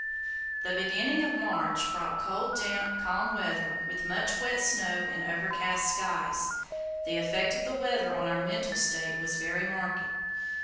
The beginning of March brought cold, damp, calm weather, with much wet snow and overcast skies. The effect of the weather on our mental state was very marked.